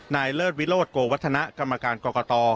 เลิศวิโรธโกวัฒนะกรรมการกรกต